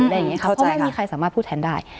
เขาก็ไม่มีใครสามารถพูดแทนได้